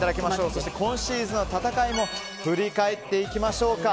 そして今シーズンの戦いも振り返っていきましょうか。